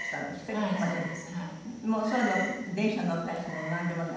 もうそういうの電車に乗ったりするのなんでもない？